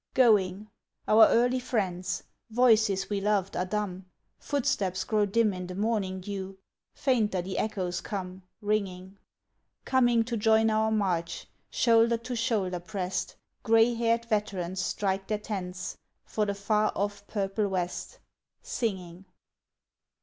Going our early friends; Voices we loved are dumb; Footsteps grow dim in the morning dew; Fainter the echoes come Ringing: Coming to join our march, Shoulder to shoulder pressed, Gray haired veterans strike their tents For the far off purple West Singing!